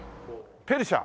ペルシャ？